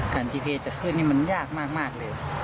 การติเหตุจะขึ้นนี่มันยากมากเลย